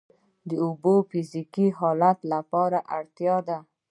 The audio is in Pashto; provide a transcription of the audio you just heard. اوبه د فزیکي فعالیت لپاره اړتیا ده